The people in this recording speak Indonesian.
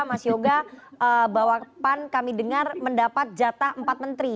mas yoga bahwa pan kami dengar mendapat jatah empat menteri